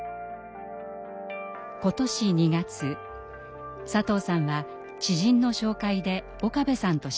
今年２月佐藤さんは知人の紹介で岡部さんと知り合いました。